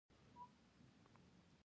ده غوښتل چې تر خپل سیال یې واړوي.